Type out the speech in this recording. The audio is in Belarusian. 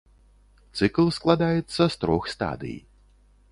Цыкл складаецца з трох стадый.